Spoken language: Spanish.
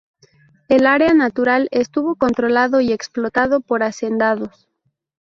El área natural estuvo controlado y explotado por hacendados.